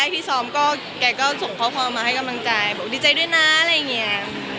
ที่แซมเมื่อก่อนก็อะไรอย่างเงี้ย